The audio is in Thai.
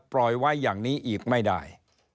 ปล่อยไว้อย่างนี้อีกไม่ได้